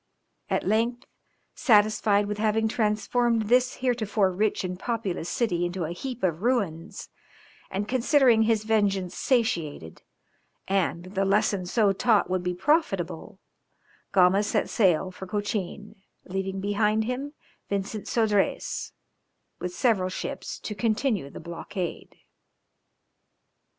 At length, satisfied with having transformed this heretofore rich and populous city into a heap of ruins, and considering his vengeance satiated, and that the lesson so taught would be profitable, Gama set sail for Cochin, leaving behind him Vincent Sodrez, with several ships, to continue the blockade.